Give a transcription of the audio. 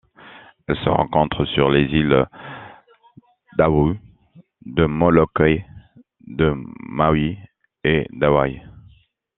Elle se rencontre sur les îles d'O’ahu, de Molokai, de Maui et d'Hawaï.